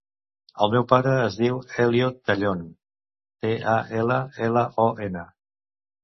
El meu pare es diu Elio Tallon: te, a, ela, ela, o, ena.